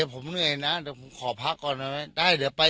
ผมเหนื่อยนะเดี๋ยวผมขอพักก่อนได้ไหมได้เดี๋ยวไป